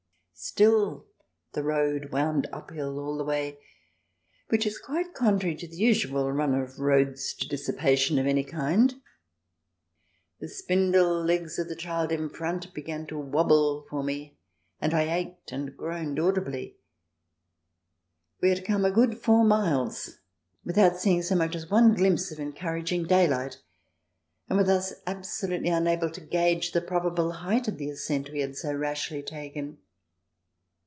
Still the road wound uphill all the way, which is quite contrary to the usual run of roads to dissipa tion of any kind. The spindle legs of the child in front began to wobble for me, and I ached and groaned audibly. We had come a good four miles without seeing so much as one glimpse of encourag ing daylight, and were thus absolutely unable to gauge the probable height of the ascent we had so rashly taken.